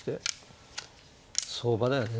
相場だよね。